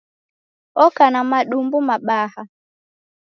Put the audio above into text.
Oka na madumbu mabaha.